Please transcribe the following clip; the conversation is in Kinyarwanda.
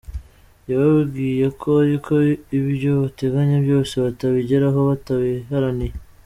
Yababwiye ko ariko ibyo bateganya byose batabigeraho batabiharaniye.